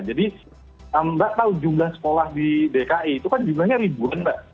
jadi mbak tahu jumlah sekolah di dki itu kan jumlahnya ribuan mbak